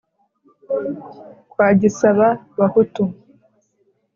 kwa gisaba-bahutu